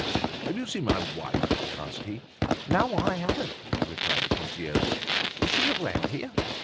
"Have you seen my wife?" asked he. "No, I haven't," replied the concierge. "Is she around here?"